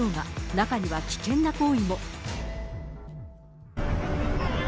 中には危険な行為も。